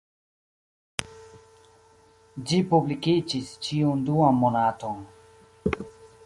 Ĝi publikiĝis ĉiun duan monaton.